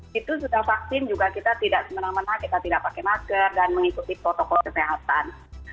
itu sudah vaksin juga kita tidak semena mena kita tidak pakai masker dan mengikuti protokol kesehatan